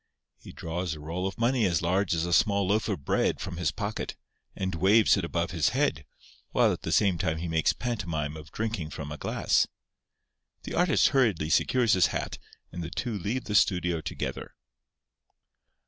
He draws a roll of money as large as a small loaf of bread from his pocket, and waves it above his head, while at the same time he makes pantomime of drinking from a glass. The artist hurriedly secures his hat, and the two leave the studio together.